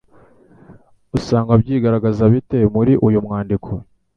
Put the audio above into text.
Usanga byigaragaza bite muri uyu mwandiko?